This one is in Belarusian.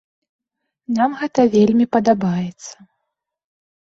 Нам гэта вельмі падабаецца.